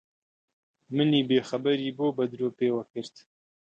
منی بێخەبەری بۆ بە درۆ پێوە کرد؟